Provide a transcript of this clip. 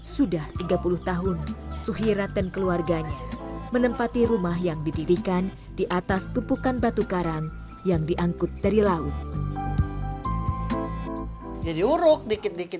sudah tiga puluh tahun suhirat dan keluarganya menempati rumah yang didirikan di atas tumpukan batu karang yang diangkut dari laut